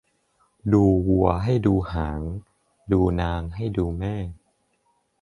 ดูวัวให้ดูหาง ดูนางให้ดูแม่